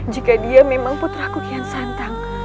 jika dia memang putra kukian santang